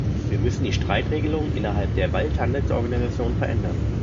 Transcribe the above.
Wir müssen die Streitregelung innerhalb der Welthandelsorganisation verändern.